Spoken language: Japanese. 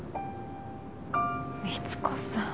三津子さん。